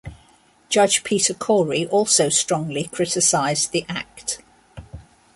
Judge Peter Cory also strongly criticised the Act.